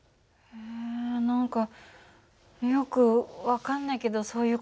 え何かよく分かんないけどそういう事なんだ。